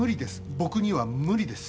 僕には無理です。